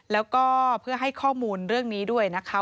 แล้วก็เพื่อให้ข้อมูลเรื่องนี้ด้วยนะคะ